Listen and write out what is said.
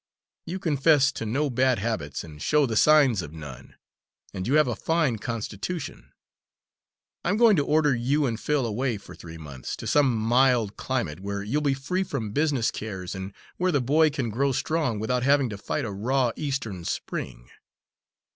You confess to no bad habits, and show the signs of none; and you have a fine constitution. I'm going to order you and Phil away for three months, to some mild climate, where you'll be free from business cares and where the boy can grow strong without having to fight a raw Eastern spring.